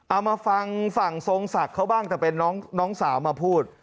เอามาฟังฝั่งทรงศักดิ์เขาบ้างแต่เป็นน้องสาวมาพูด